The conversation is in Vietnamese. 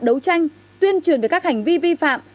đấu tranh tuyên truyền về các hành vi vi phạm